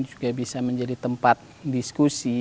juga bisa menjadi tempat diskusi